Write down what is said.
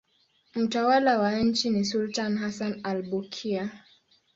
Mtawala wa nchi ni sultani Hassan al-Bolkiah.